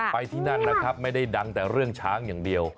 ที่นั่นนะครับไม่ได้ดังแต่เรื่องช้างอย่างเดียว